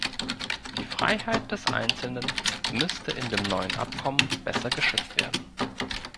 Die Freiheit des Einzelnen müsste in dem neuen Abkommen besser geschützt werden.